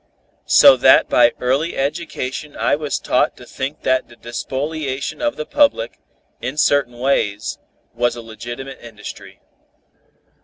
So that by early education I was taught to think that the despoliation of the public, in certain ways, was a legitimate industry.